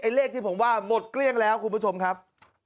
เลขที่ผมว่าหมดเกลี้ยงแล้วคุณผู้ชมครับ